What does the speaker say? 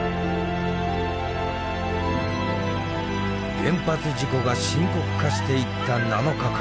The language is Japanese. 原発事故が深刻化していった７日間。